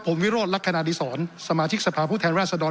ผมวีโรตรักษณกษรสมาชิกสภาพคุกแทนราชดร